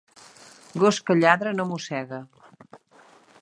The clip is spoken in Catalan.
Gos que lladra no mossega.